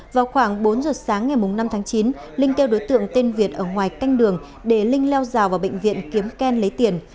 vào khoảng bốn giờ sáng ngày năm tháng chín linh kêu đối tượng tên việt ở ngoài canh đường để linh leo rào vào bệnh viện kiếm ken lấy tiền